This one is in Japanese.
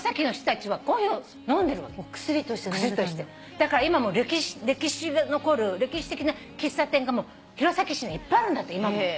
だから今も歴史的な喫茶店が弘前市にはいっぱいあるんだって。